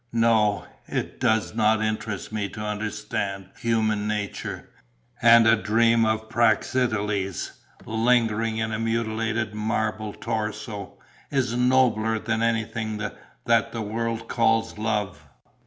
No, it does not interest me to understand human nature; and a dream of Praxiteles, lingering in a mutilated marble torso, is nobler than anything that the world calls love."